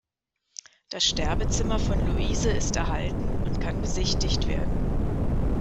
Das Sterbezimmer von Louise ist erhalten und kann besichtigt werden.